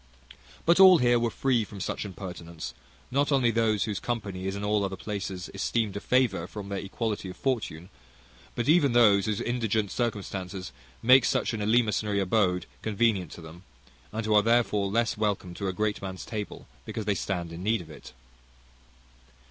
But all here were free from such impertinence, not only those whose company is in all other places esteemed a favour from their equality of fortune, but even those whose indigent circumstances make such an eleemosynary abode convenient to them, and who are therefore less welcome to a great man's table because they stand in need of it.